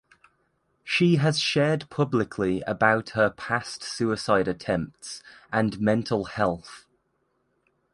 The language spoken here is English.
She has shared publicly about her past suicide attempts and mental health.